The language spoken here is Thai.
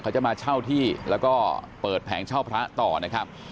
เขาจะมาเช่าที่แล้วก็เปิดแผงเช่าพระต่อนะครับ